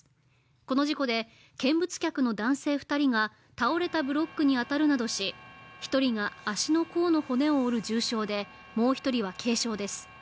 この事故で見物客の男性２人が倒れたブロックに当たるなどし１人が足の甲の骨を折る重傷でもう一人は、軽傷です。